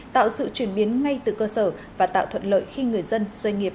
tạo sự chuyển biến ngay từ cơ sở và tạo thuận lợi khi người dân doanh nghiệp